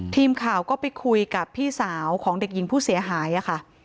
ทีมข่าวก็ไปคุยกับพี่สาวของเด็กหญิงผู้เสียหายค่ะ